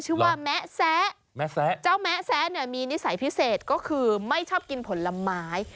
ชื่อว่าแม๊ะแซะแม๊ะแซะเนี่ยมีนิสัยพิเศษก็คือไม่ชอบกินผลไม้